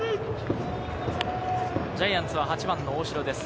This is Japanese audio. ジャイアンツは８番の大城です。